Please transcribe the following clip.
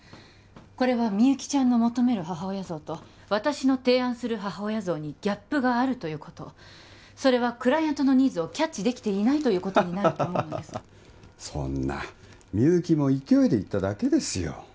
これはみゆきちゃんの求める母親像と私の提案する母親像にギャップがあるということそれはクライアントのニーズをキャッチできてないということにハハハハそんなみゆきも勢いで言っただけですよ